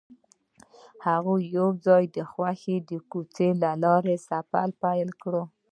هغوی یوځای د خوښ کوڅه له لارې سفر پیل کړ.